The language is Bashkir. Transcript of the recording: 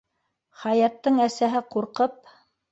Хаяттың әсәһе ҡурҡып: